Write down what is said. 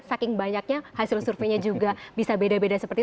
saking banyaknya hasil surveinya juga bisa beda beda seperti itu